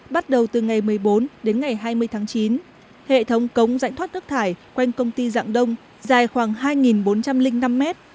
bắt đầu từ ngày một mươi bốn đến ngày hai mươi tháng chín hệ thống cống rãnh thoát nước thải quanh công ty dạng đông dài khoảng hai bốn trăm linh năm mét